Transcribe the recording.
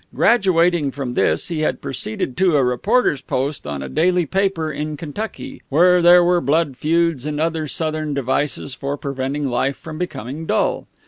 Graduating from this, he had proceeded to a reporter's post on a daily paper in Kentucky, where there were blood feuds and other Southern devices for preventing life from becoming dull.